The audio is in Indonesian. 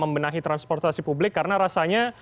membenahi transportasi publik karena rasanya